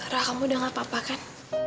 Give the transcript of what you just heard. rah kamu sudah apa apa bukan